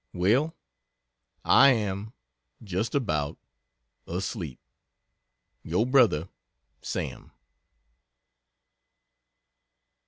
Well I am just about asleep Your brother SAM.